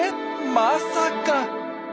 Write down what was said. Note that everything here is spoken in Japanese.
まさか！